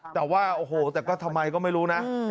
แต่ว่าโอ้โหแต่ก็ทำไมก็ไม่รู้นะ